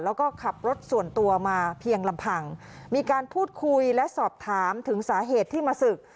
แล้วก็ขับรถส่วนตัวมาเพียงลำพังมีการพูดคุยและสอบถามถึงสาเหตุที่มาศึก